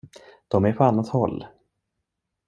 De är på annat håll.